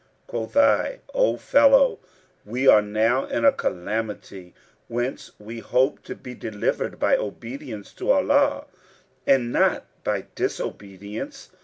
Quoth I, 'O fellow, we are now in a calamity, whence we hope to be delivered by obedience to Allah and not by disobedience.'